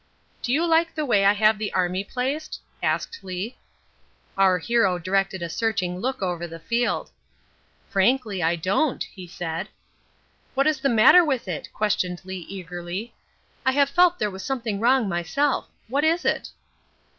"Do you like the way I have the army placed?" asked Lee. Our hero directed a searching look over the field. "Frankly, I don't," he said. "What's the matter with it?" questioned Lee eagerly. "I felt there was something wrong myself. What is it?"